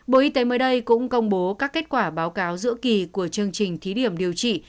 bộ y tế mới đây cũng công bố các kết quả báo cáo giữa kỳ của chương trình thí điểm điều trị